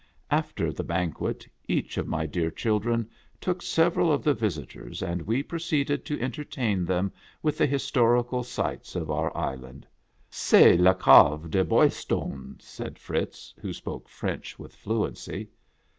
After the banquet, each of my dear children took several of the visitors, and we proceeded to entertain them with the historical sights of our island. " C'est le cavede Boilstone," said Fritz, who spoke French with fluency.